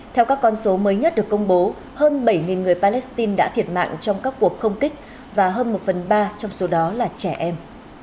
theo các con số mới nhất được công bố hơn bảy người palestine đã thiệt mạng trong các cuộc không kích và hơn một phần ba trong số đó là trẻ em